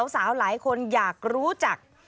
หลายคนอยากรู้จัก